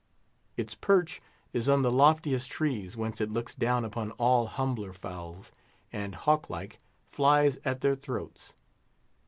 Its perch is on the loftiest trees, whence it looks down upon all humbler fowls, and, hawk like, flies at their throats.